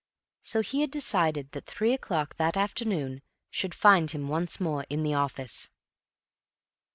So he had decided that three o'clock that afternoon should find him once more in the office.